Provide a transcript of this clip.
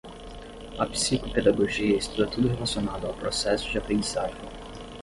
A psicopedagogia estuda tudo relacionado ao processo de aprendizagem.